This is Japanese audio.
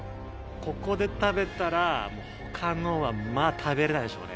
ここで食べたら、もうほかのは食べれないでしょうね。